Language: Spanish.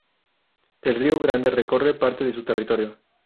El río Grande recorre parte de su territorio.